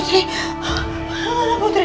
tante jangan lihat putri